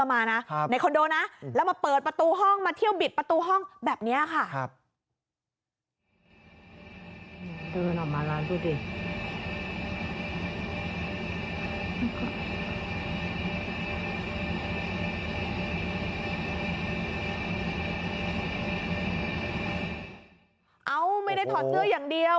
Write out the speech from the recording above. ไม่ถ่อเตรออย่างเดียว